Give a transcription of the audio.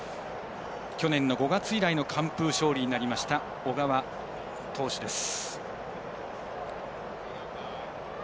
去年の５月以来の完封勝利となりました小川投手です。